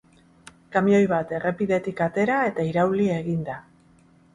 Kamioi bat errepidetik atera eta irauli egin da.